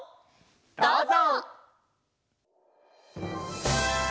どうぞ！